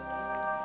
aku tak tahu